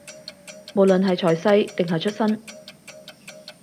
無論係財勢，定係出身